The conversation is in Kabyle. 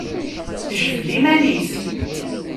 Tejbed iman-is.